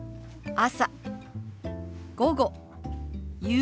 朝。